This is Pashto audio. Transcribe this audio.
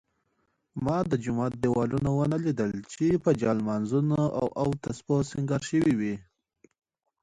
ما د جومات دېوالونه ونه لیدل چې په جالمازونو او تسپو سینګار شوي وي.